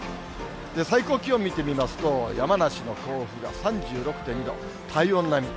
最高気温見てみますと、山梨の甲府が３６．２度、体温並み。